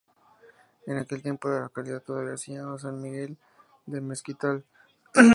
En aquel tiempo la localidad todavía se llamaba San Miguel de Mezquital.